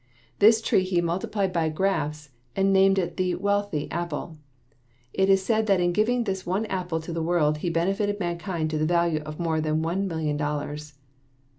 This tree he multiplied by grafts and named the Wealthy apple. It is said that in giving this one apple to the world he benefited mankind to the value of more than one million dollars.